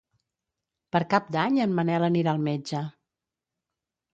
Per Cap d'Any en Manel anirà al metge.